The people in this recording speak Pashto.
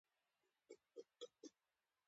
نو هغه کله داسې پوښتنه کوي؟؟